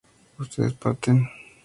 ustedes parten